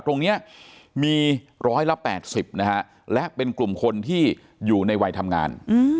ตรงนี้มีร้อยละ๘๐นะฮะและเป็นกลุ่มคนที่อยู่ในวัยทำงาน